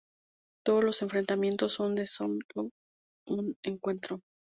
Todos los enfrentamientos son de solo un encuentro.